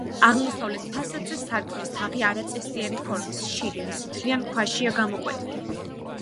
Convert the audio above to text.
აღმოსავლეთ ფასადზე სარკმლის თაღი არაწესიერი ფორმის, შირიმის, მთლიან ქვაშია გამოკვეთილი.